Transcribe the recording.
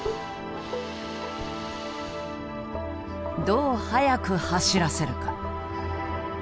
どう速く走らせるか。